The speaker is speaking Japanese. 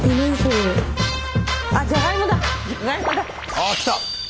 あ来た！